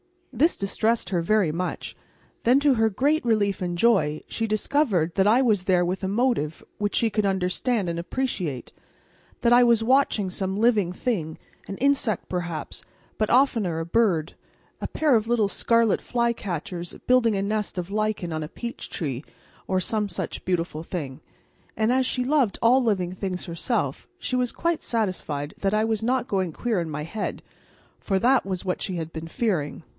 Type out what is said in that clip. This distressed her very much; then to her great relief and joy she discovered that I was there with a motive which she could understand and appreciate: that I was watching some living thing, an insect perhaps, but oftener a bird a pair of little scarlet flycatchers building a nest of lichen on a peach tree, or some such beautiful thing. And as she loved all living things herself she was quite satisfied that I was not going queer in my head, for that was what she had been fearing.